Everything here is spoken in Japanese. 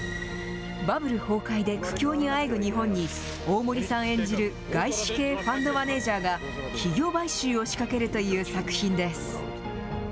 バブル崩壊で苦境にあえぐ日本に、大森さん演じる外資系ファンドマネージャーが企業買収を仕掛けるという作品です。